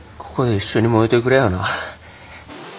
ここで一緒に燃えてくれよな。